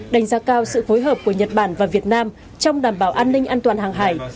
đánh giá cao sự phối hợp của nhật bản và việt nam trong đảm bảo an ninh an toàn hàng hải